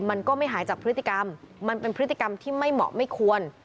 มันก็ไม่หายจากพฤติกรรมมันเป็นพฤติกรรมที่ไม่เหมาะไม่ควร